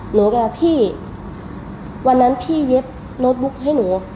หนูกับพี่วันนั้นพี่เย็บโน้ตบุ๊กให้หนู